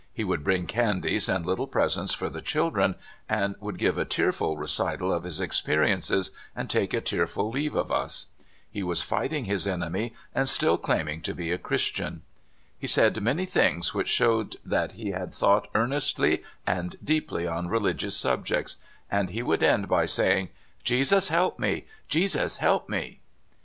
He would bring candies and little presents for the children, and would give a tearful recital of his experiences and take a tearful leave of us. He was lighting his enemy and still claiming to be a 22 CALIFORNIA SKETCHES. Christian. He said many things which showed that he had thought earnestly and deeply on reli gious subjects, and he would end by saying: "Jesus, help me! Jesus, help me!